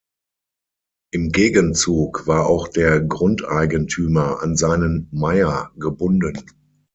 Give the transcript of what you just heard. Im Gegenzug war auch der Grundeigentümer an seinen Meier gebunden.